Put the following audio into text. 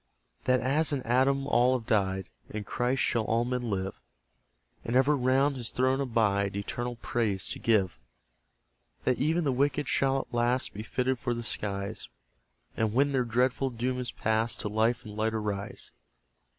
That as in Adam all have died, In Christ shall all men live; And ever round his throne abide, Eternal praise to give. That even the wicked shall at last Be fitted for the skies; And when their dreadful doom is past, To life and light arise.